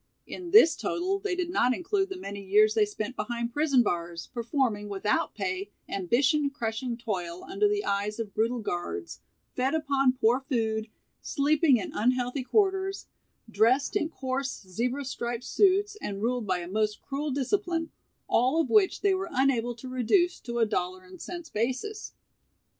In this total they did not include the many years they spent behind prison bars, performing, without pay, ambition crushing toil under the eyes of brutal guards, fed upon poor food, sleeping in unhealthy quarters, dressed in coarse, zebra striped suits and ruled by a most cruel discipline, all of which they were unable to reduce to a dollar and cents basis.